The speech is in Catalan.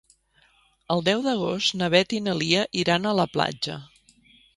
El deu d'agost na Beth i na Lia iran a la platja.